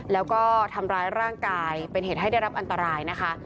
แล้วก็ทำร้ายร่างกายเป็นเหตุให้ได้รับอันตรายนะคะ